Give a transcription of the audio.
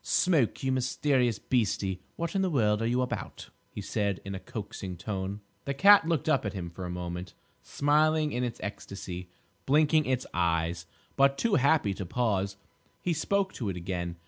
"Smoke, you mysterious beastie, what in the world are you about?" he said, in a coaxing tone. The cat looked up at him for a moment, smiling in its ecstasy, blinking its eyes, but too happy to pause. He spoke to it again.